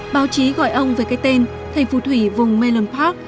báo chí gọi ông với cái tên thầy phù thủy vùng melon park